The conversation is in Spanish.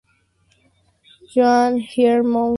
Johann Hieronymus Schröter era el hijo de un abogado.